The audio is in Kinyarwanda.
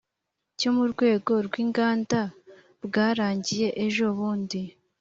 cyo mu rwego rw’inganda bwarangiye ejo bundi